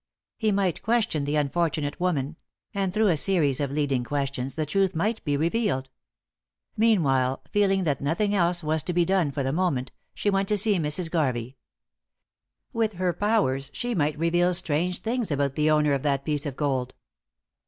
He might question the unfortunate woman; and through a series of leading questions the truth might be revealed. Meanwhile, feeling that nothing else was to be done for the moment, she went to see Mrs. Garvey. With her powers, she might reveal strange things about the owner of that piece of gold.